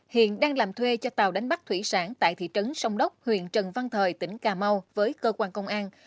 hiện đang làm thuê cho tàu đánh bắt thủy sản tại thị trấn sông đốc huyện trần văn thời tỉnh cà mau với cơ quan công an